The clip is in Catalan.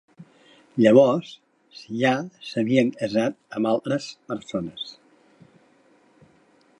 Llavors ja s'havien casat amb altres persones.